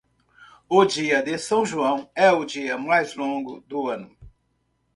O Dia de São João é o dia mais longo do ano.